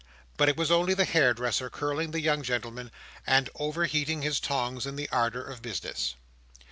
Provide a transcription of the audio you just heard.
But it was only the hairdresser curling the young gentlemen, and over heating his tongs in the ardour of business.